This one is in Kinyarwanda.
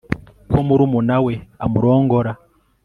ko murumuna we amurongora